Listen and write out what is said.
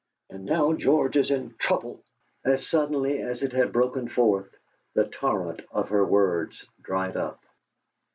And now George is in trouble " As suddenly as it had broken forth the torrent of her words dried up.